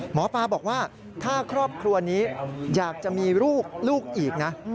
หมอปลาบอกว่าถ้าครอบครัวนี้อยากจะมีลูกลูกอีกนะ